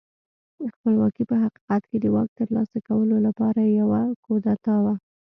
خپلواکي په حقیقت کې د واک ترلاسه کولو لپاره یوه کودتا وه.